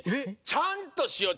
ちゃんとしよう！